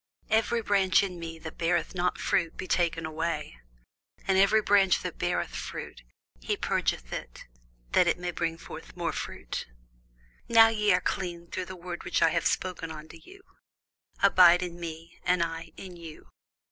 Every branch in me that beareth not fruit he taketh away: and every branch that beareth fruit, he purgeth it, that it may bring forth more fruit. Now ye are clean through the word which I have spoken unto you. Abide in me, and I in you.